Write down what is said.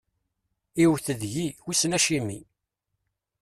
Iwwet deg-i, wissen acimi.